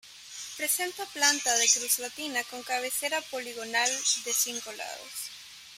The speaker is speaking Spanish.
Presenta planta de cruz latina con cabecera poligonal de cinco lados.